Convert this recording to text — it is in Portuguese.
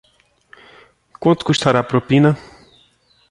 Quanto custará a propina?